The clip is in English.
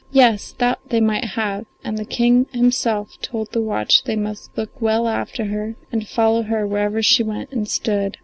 Yes, that they might have, and the King himself told the watch they must look well after her and follow her wherever she went and stood.